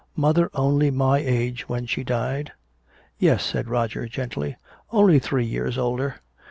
"Mother only my age when she died?" "Yes," said Roger gently, "only three years older."